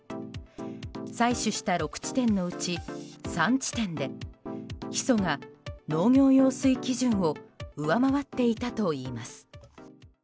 採取した６地点のうち３地点でヒ素が農業用水基準を上回っていたといいます。